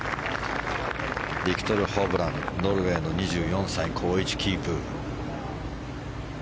ビクトル・ホブランノルウェーの２４歳好位置キープ。